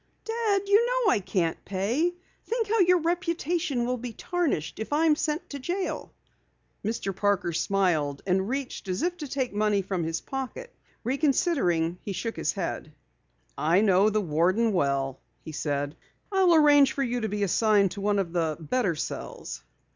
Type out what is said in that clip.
"Dad, you know I can't pay. Think how your reputation will be tarnished if I am sent to jail." Mr. Parker smiled and reached as if to take money from his pocket. Reconsidering, he shook his head. "I know the warden well," he said. "I'll arrange for you to be assigned to one of the better cells."